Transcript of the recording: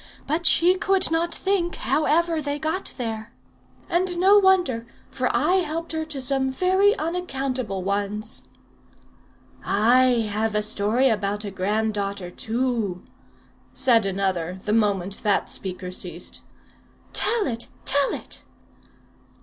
But she could not think how ever they got there. And no wonder, for I helped her to some very unaccountable ones." "I have a story about a granddaughter, too," said another, the moment that speaker ceased. "Tell it. Tell it."